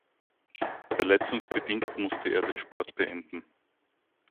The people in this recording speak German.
Verletzungsbedingt musste er den Sport beenden.